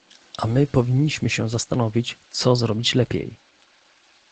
A my powinniśmy się zastanowić co zrobić lepiej